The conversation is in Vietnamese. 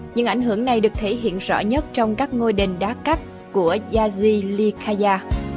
những ảnh hưởng này được thể hiện rõ nhất trong các ngôi đền đá cắt của yazili kaya